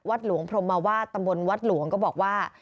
วัดหลวงพรหมวาตตมวลวัดหลวงก็บอกว่า